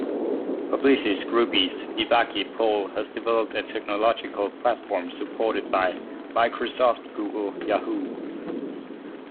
Publicis Groupe's Vivaki pole has developed a technological platform supported by Microsoft, Google, Yahoo!